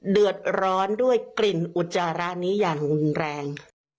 เดือดร้อนด้วยกลิ่นอุจจาระนี้อย่างรุนแรง